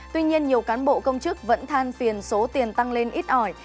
tuy nhiên nhiều cán bộ công chức vẫn than phiền số tiền tăng lên ít ỏi